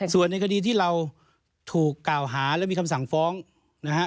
ส่วนในคดีที่เราถูกกล่าวหาและมีคำสั่งฟ้องนะฮะ